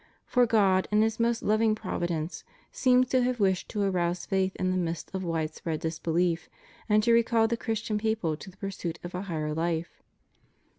For God, in His most loving providence, seems to have wished to arouse faith in the midst of widespread disbeHef, and to recall the Christian people to the pursuit of a higher hfe.